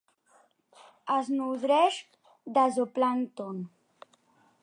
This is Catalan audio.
Es nodreix de zooplàncton.